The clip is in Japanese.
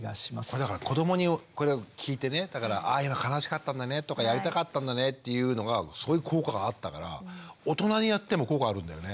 これだから子どもにこれを聞いてねああ悲しかったんだねとかやりたかったんだねっていうのがすごい効果があったから大人にやっても効果あるんだよね。